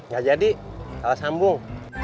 gak jadi kalau sambung